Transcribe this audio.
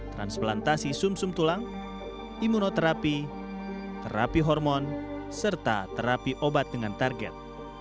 transplantasi sum sum tulang imunoterapi terapi hormon serta terapi obat dengan target